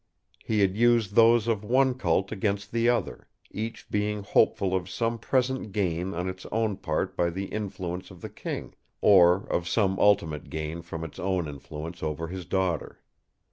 He had used those of one cult against the other; each being hopeful of some present gain on its own part by the influence of the King, or of some ultimate gain from its own influence over his daughter.